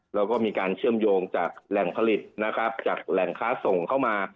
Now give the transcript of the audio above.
แล้วก็มีการเชื่อมโยงจากแหล่งผลิตนะครับจากแหล่งค้าส่งเข้ามา